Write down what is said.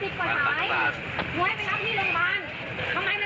ทำไมมันไม่รับเข้ามันหลวกพี่ชายรับไม่ได้